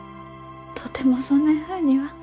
とてもそねんふうには。